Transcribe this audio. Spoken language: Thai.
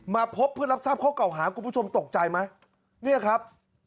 มาพบเพื่อรับทราบข้อเก่าหาคุณผู้ชมตกใจไหมเนี่ยครับ